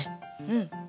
うん。